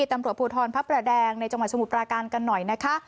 ตำรวจภูทรพระประแดงในจังหวัดสมุทรปราการกันหน่อยนะคะ